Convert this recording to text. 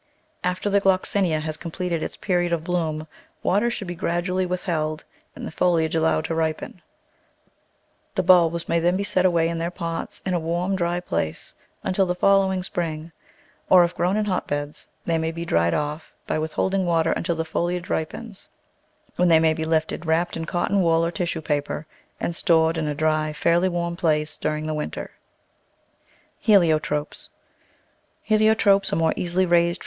After the Gloxinia has completed its period of bloom water should be grad ually withheld and the foliage allowed to ripen. The bulbs may then be set away in their pots in a warm, dry place, until the following spring; or, if grown in hotbeds, they may be dried off by with holding water until the foliage ripens, when they may Digitized by Google 80 The Flower Garden [Chapter be lifted, wrapped in cotton wool or tissue paper, and stored in a dry, fairly warm place during the winter. Heliotropes ARE more easily raised.